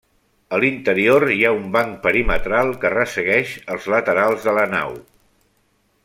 A l'interior hi ha un banc perimetral que ressegueix els laterals de la nau.